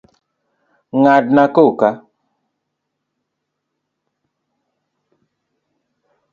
Ng'adnan koka.